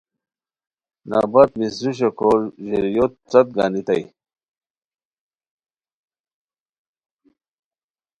نبت مصری شوکھور ژیریوت څت گانیتائے